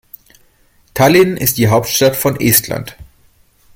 Tallinn ist die Hauptstadt von Estland.